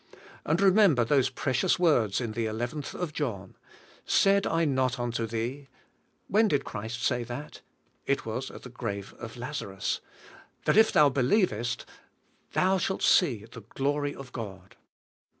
And remember those precious words in the nth of John: "Said I not unto thee" — when did Christ say that? It was at the grave of Laza rus — ''that if thou believest, thou shalt see the glory of God?"